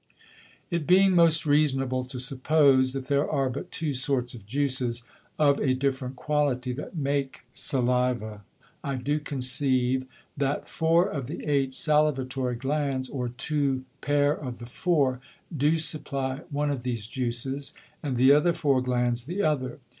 It being most reasonable to suppose, that there are but two sorts of Juices, of a different Quality, that make the Saliva, I do conceive, that four of the eight Salivatory Glands, or two Pair of the four, do supply one of these Juices, and the other four Glands the other.